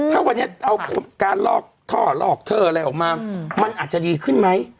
ถ้าวันนี้เอาการลอกท่อลอกเทอร์อะไรออกมามันอาจจะดีขึ้นไหม